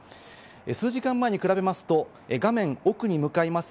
数時間前に比べますと、画面奥に向かいます